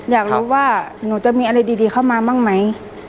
อยากรู้ว่าหนูจะมีอะไรดีเข้ามาบ้างไหม